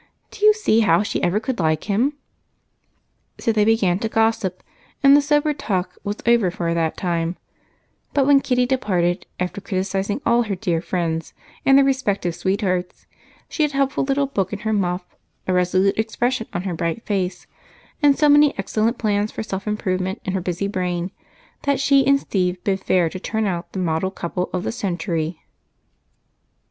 Do you see how she ever could like him?" So they began to gossip, and the sober talk was over for that time, but when Kitty departed, after criticizing all her dear friends and their respective sweethearts, she had a helpful little book in her muff, a resolute expression on her bright face, and so many excellent plans for self improvement in her busy brain that she and Steve bid fair to turn out the model couple of the century.